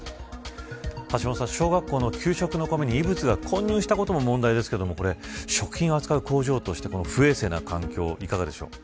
橋下さん、小学校の給食の米に異物が混入したことも問題ですが食品を扱う工場として不衛生な環境、いかがでしょう。